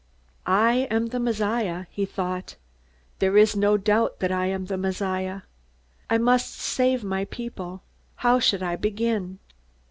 I am the Messiah, he thought. _There is no doubt that I am the Messiah. I must save my people. How should I begin?